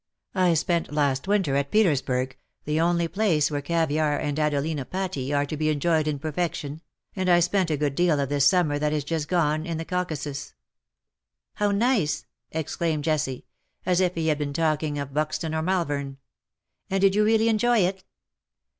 I spent last winter at Petersburg — the only place where caviare and Adelina Patti are to be enjoyed in perfection — and I spent a good deal of this summer that is just gone in the Caucasus/' ^' How nice V exclaimed Jessie, as if he had been VrE DRAW NIGH THEE." 197 talking of Buxton or Malvern. ^' And did you really enjoy it?'